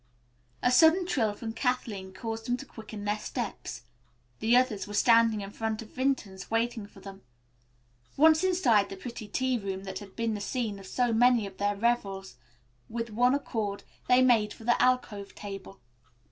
A sudden trill from Kathleen caused them to quicken their steps. The others were standing in front of Vinton's, waiting for them. Once inside the pretty tea room that had been the scene of so many of their revels, with one accord they made for the alcove table.